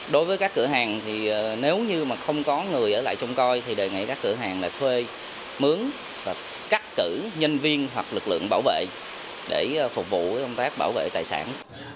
đối với các cửa hàng thì nếu như mà không có người ở lại trông coi thì đề nghị các cửa hàng là thuê mướn và cắt cử nhân viên hoặc lực lượng bảo vệ để phục vụ công tác bảo vệ tài sản